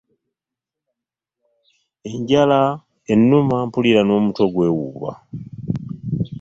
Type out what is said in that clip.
Enjala ennuma mpulira n'omutwe gw'ewuuba